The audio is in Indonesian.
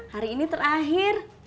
hari ini terakhir